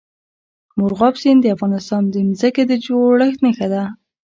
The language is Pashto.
مورغاب سیند د افغانستان د ځمکې د جوړښت نښه ده.